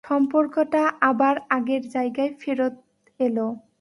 সম্পর্কটা আবার আগের জায়গায় ফেরত এলো।